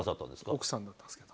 奥さんだったんですけど。